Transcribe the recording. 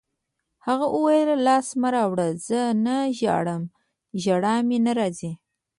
هغې وویل: لاس مه راوړه، زه نه ژاړم، ژړا مې نه راځي.